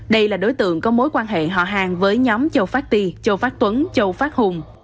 đây là đối tượng có mối quan hệ họ hàng với nhóm châu phát ti châu phát tuấn châu phát hùng